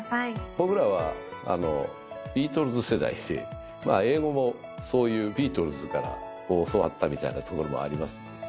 僕らはビートルズ世代でまあ英語もそういうビートルズから教わったみたいなところもあります。